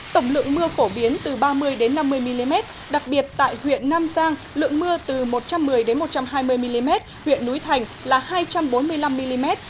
tổng lượng mưa phổ biến từ ba mươi năm mươi mm đặc biệt tại huyện nam giang lượng mưa từ một trăm một mươi một trăm hai mươi mm huyện núi thành là hai trăm bốn mươi năm mm